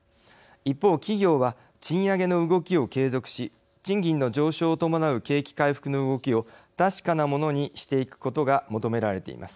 一方企業は賃上げの動きを継続し賃金の上昇を伴う景気回復の動きを確かなものにしていくことが求められています。